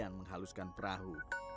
yang menghaluskan perahu